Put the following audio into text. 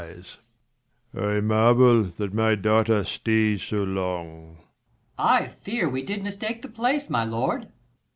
Leir. I marvel, that my daughter stays so long. Per. I fear, we did mistake the place, my lord.